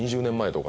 ２０年前！